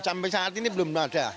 sampai saat ini belum ada